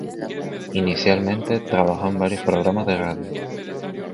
Inicialmente, trabajó en varios programas de radio.